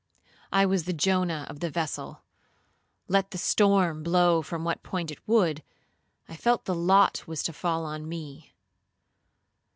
I was the Jonah of the vessel—let the storm blow from what point it would, I felt the lot was to fall on me.